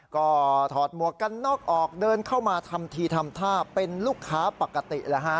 ก็ถอดหมวกกันน็อกออกเดินเข้ามาทำทีทำท่าเป็นลูกค้าปกติแล้วฮะ